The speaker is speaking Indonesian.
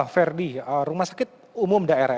ferdi rumah sakit umum daerah